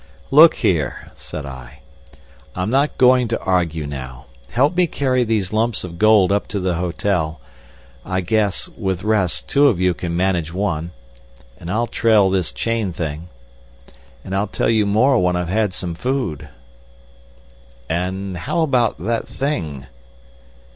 "Look here!" said I, "I'm not going to argue now. Help me carry these lumps of gold up to the hotel—I guess, with rests, two of you can manage one, and I'll trail this chain thing—and I'll tell you more when I've had some food." "And how about that thing?"